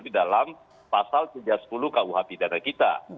di dalam pasal tujuh sepuluh kuh pidana kita